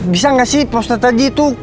bisa gak sih poster tadi itu